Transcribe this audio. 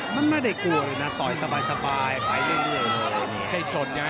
มันไม่ได้กลัวเลยนะต่อยสบายไปเรื่อย